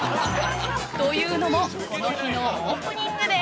というのもこの日のオープニングで。